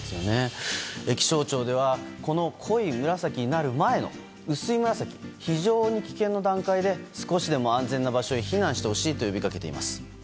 気象庁ではこの濃い紫になる前の薄い紫、非常に危険な段階で少しでも安全な場所へ避難してほしいと呼びかけています。